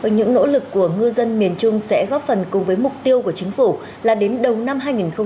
những nỗ lực của ngư dân miền trung sẽ góp phần cùng với mục tiêu của chính phủ là đến đầu năm hai nghìn hai mươi